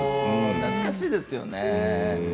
懐かしいですよね。